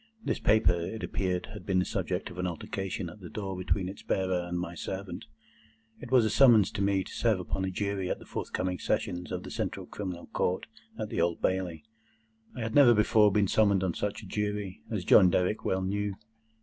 This paper, it appeared, had been the subject of an altercation at the door between its bearer and my servant. It was a summons to me to serve upon a Jury at the forthcoming Sessions of the Central Criminal Court at the Old Bailey. I had never before been summoned on such a Jury, as John Derrick well knew.